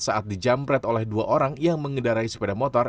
saat dijamret oleh dua orang yang mengendarai sepeda motor